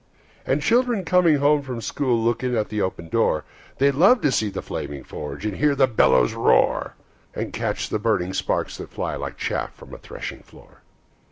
And children coming home from school Look in at the open door; They love to see the flaming forge, And hear the bellows roar, And catch the burning sparks that fly Like chaff from a threshing floor.